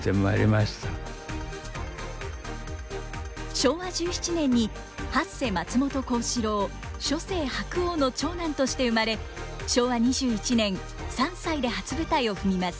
昭和１７年に八世松本幸四郎初世白鸚の長男として生まれ昭和２１年３歳で初舞台を踏みます。